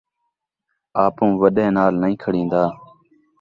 آپوں وݙے نال نئیں کھڑیندا